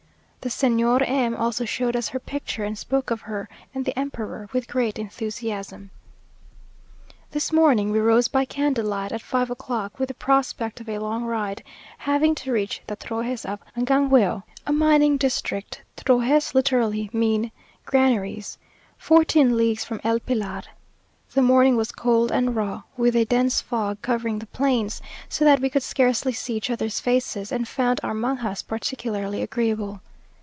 The Señora M also showed us her picture, and spoke of her and the emperor with great enthusiasm. This morning we rose by candlelight, at five o'clock, with the prospect of a long ride, having to reach the Trojes of Angangueo, a mining district (trojes literally mean granaries), fourteen leagues from El Pilar. The morning was cold and raw, with a dense fog covering the plains, so that we could scarcely see each other's faces, and found our mangas particularly agreeable.